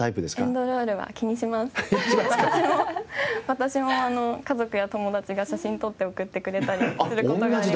私も家族や友達が写真撮って送ってくれたりする事がありますね。